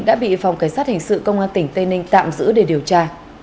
đã bị phòng cảnh sát hình sự công an tỉnh tây ninh tạm giữ để điều tra